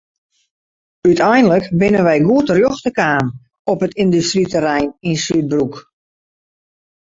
Uteinlik binne wy goed terjochte kaam op it yndustryterrein yn Súdbroek.